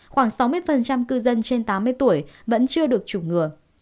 khoảng sáu mươi cư dân trên tám mươi tuổi vẫn chưa được chủng ngừa